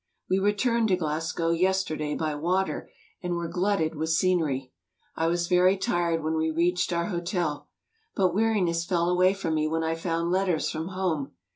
We returned to Glasgow yesterday by water and were glutted with scenery. I was very tired when we reached our hotel. But weariness fell away from me when I found letters from home.